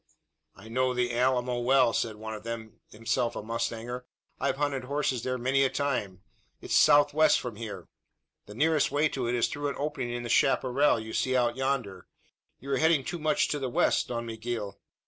"I know the Alamo well," said one of them, himself a mustanger. "I've hunted horses there many a time. It's southwest from here. The nearest way to it is through an opening in the chapparal you see out yonder. You are heading too much to the west, Don Miguel!"